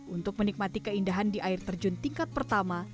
untuk menikmati keindahan di air terjun tingkat pertama